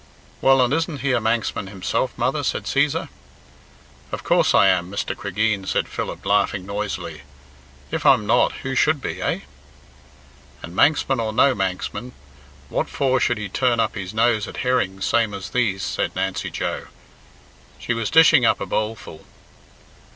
"Well, and isn't he a Manxman himself, mother?" said Cæsar. "Of course I am, Mr. Cregeen," said Philip, laughing noisily. "If I'm not, who should be, eh?'" "And Manxman or no Manxman, what for should he turn up his nose at herrings same as these?" said Nancy Joe. She was dishing up a bowlful.